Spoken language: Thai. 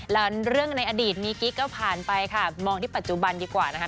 แล้วเรื่องในอดีตมีกิ๊กก็ผ่านไปค่ะมองที่ปัจจุบันดีกว่านะคะ